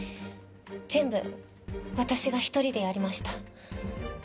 全部私が一人でやりました。